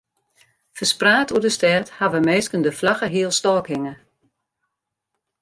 Ferspraat oer de stêd hawwe minsken de flagge healstôk hinge.